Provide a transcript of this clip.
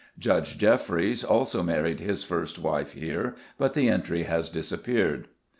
Judge Jeffreys also married his first wife here, but the entry has disappeared.